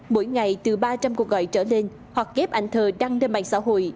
mỗi ngày từ ba trăm linh cuộc gọi trở lên hoặc ghép ảnh thờ đăng lên mạng xã hội